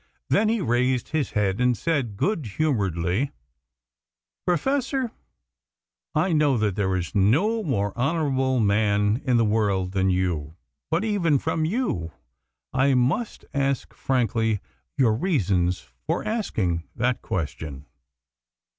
Then he raised his head and said good humouredly: "Professor, I know that there is no more honourable man in the world than you, but even from you I must ask frankly your reasons for asking that question?"